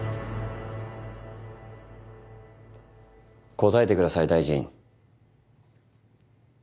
答えてください大臣。